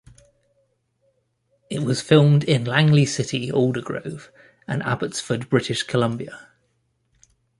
It was filmed in Langley City, Aldergrove and Abbotsford, British Columbia.